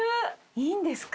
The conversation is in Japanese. いいんですか？